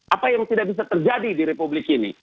apa yang tidak bisa terjadi di republik ini